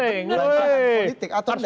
politiik atau enggak